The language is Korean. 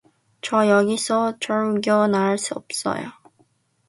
저 여기서 쫓겨날 수 없어요.